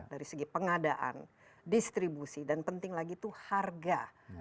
dari segi pengadaan distribusi dan penting lagi itu harga